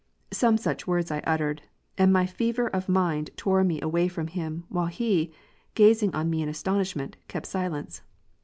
" Some such words I uttered, and my fever of mind tore me away from him, while he, gazing on me in astonishment, kept silence.